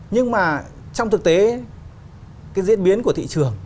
nhưng mà trong thực tế cái diễn biến của thị trường